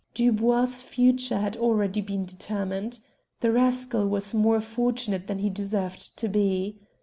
Dubois' future had already been determined. The rascal was more fortunate than he deserved to be.